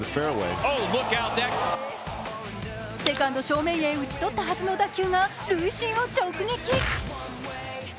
セカンド正面へ打ち取ったはずの打球が塁審を直撃。